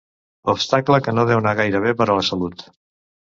Obstacle que no deu anar gaire bé per a la salut.